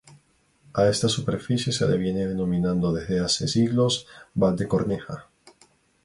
A esta superficie se la viene denominando desde hace siglos "Valdecorneja".